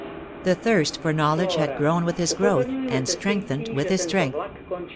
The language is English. The thirst for knowledge had grown with his growth and strengthened with his strength.